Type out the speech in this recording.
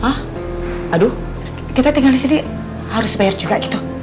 hah aduh kita tinggal disini harus bayar juga gitu